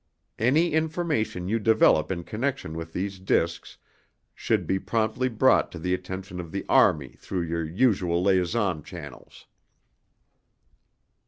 Any information you develop in connection with these discs should be promptly brought to the attention of the Army through your usual liaison channels.